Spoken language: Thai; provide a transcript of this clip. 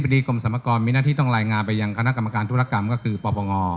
อธิบดีกรมสมกรมีหน้าที่ต้องลายงานไปอย่างครทุรกรรมก็คือปปง